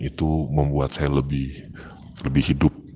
itu membuat saya lebih hidup